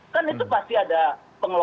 kan itu pasti ada pengelolaan